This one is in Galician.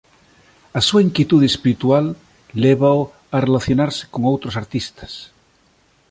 A súa inquietude espiritual lévao a relacionarse con outros artistas.